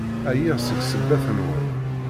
Ɛyiɣ seg ssebbat-nwen!